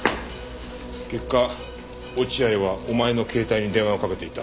結果落合はお前の携帯に電話をかけていた。